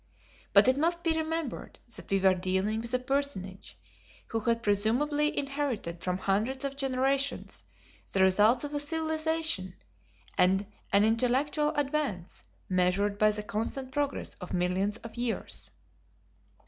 But it must be remembered that we were dealing with a personage who had presumably inherited from hundreds of generations the results of a civilization, and an intellectual advance, measured by the constant progress of millions of years.